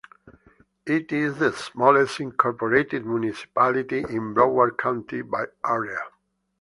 It is the smallest incorporated municipality in Broward County by area.